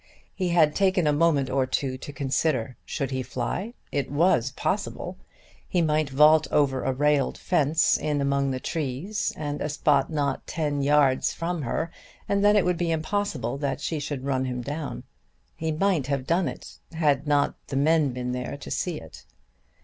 He had taken a moment or two to consider. Should he fly? It was possible. He might vault over a railed fence in among the trees, at a spot not ten yards from her, and then it would be impossible that she should run him down. He might have done it had not the men been there to see it.